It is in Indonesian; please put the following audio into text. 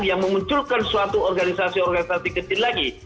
yang memunculkan suatu organisasi organisasi kecil lagi